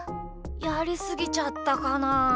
やりすぎちゃったかな？